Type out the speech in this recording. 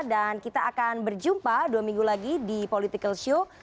dan kita akan berjumpa dua minggu lagi di political show